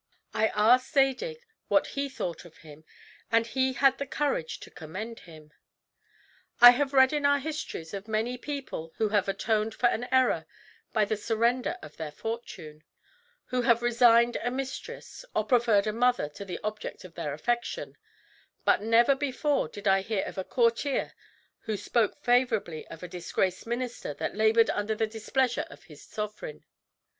I asked Zadig what he thought of him, and he had the courage to commend him. I have read in our histories of many people who have atoned for an error by the surrender of their fortune; who have resigned a mistress; or preferred a mother to the object of their affection; but never before did I hear of a courtier who spoke favorably of a disgraced minister that labored under the displeasure of his sovereign.